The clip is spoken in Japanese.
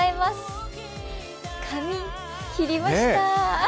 髪、切りました。